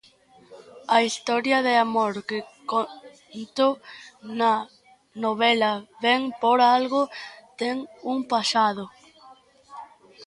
A historia de amor que conto na novela vén por algo, ten un pasado.